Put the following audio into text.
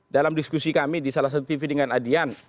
dalam diskusi kami di salah satu tv dengan adian